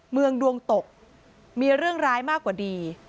เมืองดวงตกมีเรื่องร้ายมากกว่าดี